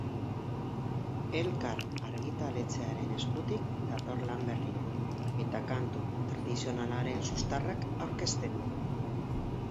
Elkar argitaletxearen eskutik dator lan berria eta kantu tradizionalaren zuztarrak aurkezten ditu.